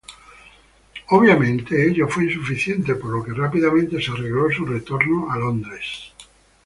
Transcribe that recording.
Obviamente ello fue insuficiente, por lo que rápidamente se arregló su retorno a Londres.